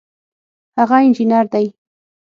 هغه انجینر دی